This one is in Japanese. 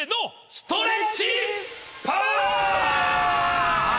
ストレッチパワー！